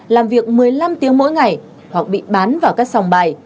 làm việc một mươi năm tiếng mỗi ngày hoặc bị bán vào các sòng bài